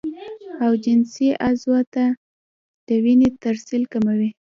او جنسي عضو ته د وينې ترسيل کموي